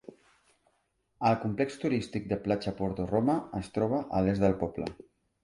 El complex turístic de platja Porto Roma es troba a l'est del poble.